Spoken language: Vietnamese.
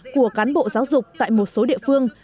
của cán bộ giáo dục tại một số địa phương